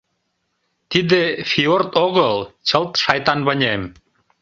Тиде — фиорд огыл, чылт шайтан вынем!